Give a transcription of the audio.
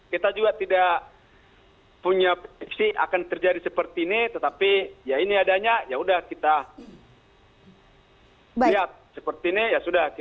kita juga tidak punya prediksi akan terjadi seperti ini tetapi ya ini adanya yaudah kita lihat seperti ini ya sudah